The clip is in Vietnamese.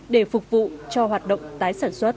để phục vụ cho hoạt động tái sản xuất